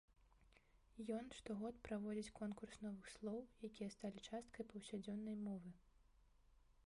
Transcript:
Ён штогод праводзіць конкурс новых слоў, якія сталі часткай паўсядзённай мовы.